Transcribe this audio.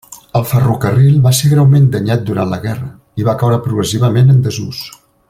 El ferrocarril va ser greument danyat durant la guerra i va caure progressivament en desús.